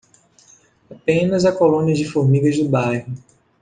Apenas a colônia de formigas do bairro.